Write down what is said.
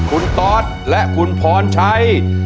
คุณตอธและคุณพ่อชาย